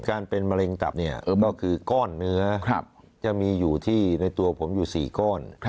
การเป็นมะเร็งตับเนี่ยก็คือก้อนเนื้อจะมีอยู่ที่ในตัวผมอยู่๔ก้อน